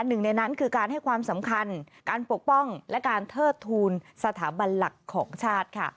หนึ่งในนั้นคือการให้ความสำคัญการปกป้องและการเทิดทูลสถาบันหลักของชาติค่ะ